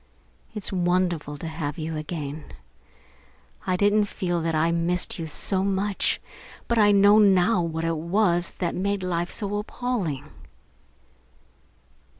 It's wonderful to have you again. I didn't even feel that I missed you so much, but I know now what it was that made life so appalling.